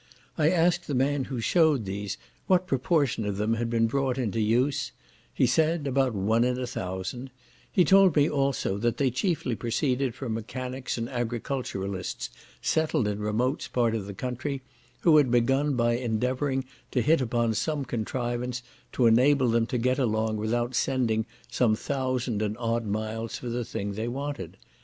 I asked the man who shewed these, what proportion of them had been brought into use, he said about one in a thousand; he told me also, that they chiefly proceeded from mechanics and agriculturists settled in remote parts of the country, who had began by endeavouring to hit upon some contrivance to enable them to get along without sending some thousand and odd miles for the thing they wanted.